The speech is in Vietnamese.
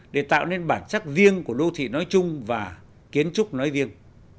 để tạo nên bản sắc riêng của đô thị nói chung và kiến trúc nói riêng